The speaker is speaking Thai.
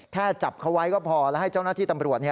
แค่จับเขาไว้ก็พอแล้วให้เจ้าหน้าที่ตำรวจ